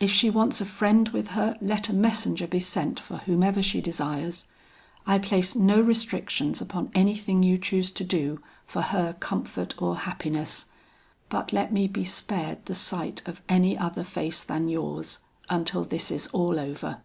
If she wants a friend with her, let a messenger be sent for whomever she desires. I place no restrictions upon anything you choose to do for her comfort or happiness, but let me be spared the sight of any other face than yours until this is all over.